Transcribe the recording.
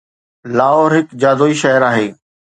لاهور هڪ جادوئي شهر آهي.